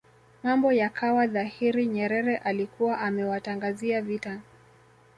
mambo yakawa dhahiri Nyerere alikuwa amewatangazia vita